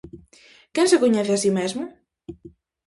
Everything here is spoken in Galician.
Quen se coñece a si mesmo?